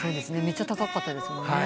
めちゃ高かったですもんね。